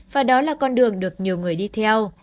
và đó là con đường được nhiều người đi theo